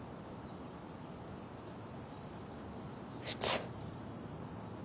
普通。